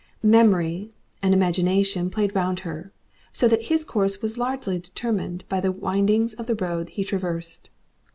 Memory and imagination played round her, so that his course was largely determined by the windings of the road he traversed.